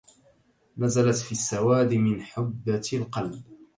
نزلت في السواد من حبة القلب